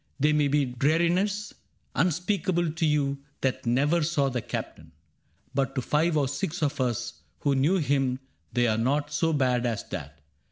They may be dreariness Unspeakable to you that never saw The Captain ; but to five or six of us Who knew him they are not so bad as that.